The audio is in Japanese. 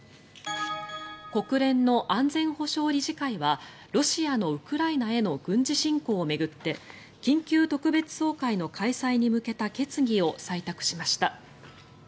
国連の安全保障理事会はロシアのウクライナへの軍事侵攻を巡って緊急特別総会の開催に向けた決議を採択しました。